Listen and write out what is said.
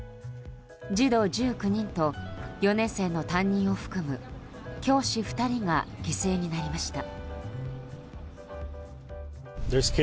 児童１９人と４年生の担任を含む教師２人が犠牲になりました。